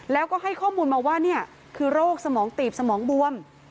แล้วก็ให้ข้อมูลมาว่านี่คือโรคสมองตีบสมองบวม